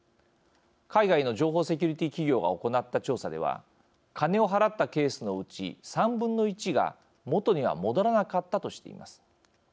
海外の情報セキュリティー企業が行った調査では金を払ったケースのうち３分の１が元には戻らなかったとしています。